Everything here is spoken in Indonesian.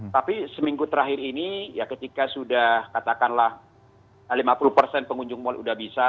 tapi seminggu terakhir ini ya ketika sudah katakanlah lima puluh pengunjung mall udah bisa